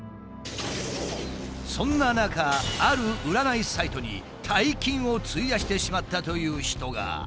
そんな中ある占いサイトに大金を費やしてしまったという人が。